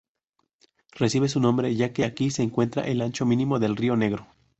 Recibe su nombre ya que aquí se encuentra el ancho mínimo del río Negro.